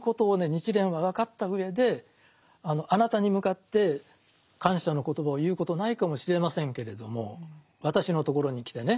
日蓮は分かったうえであなたに向かって感謝の言葉を言うことないかもしれませんけれども私のところに来てね